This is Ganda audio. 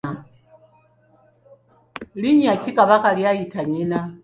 Linnya ki Kabaka ly’ayita nnyina?